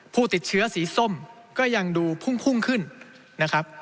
ผู้ติดเชื้อสีส้มก็ยังดูพุ่งขึ้นนะครับ